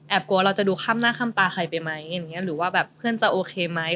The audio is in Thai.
แอบกลัวเราจะดูข้ามหน้าข้ามตาใครไปไหมหรือว่าเพื่อนจะโอเคไหม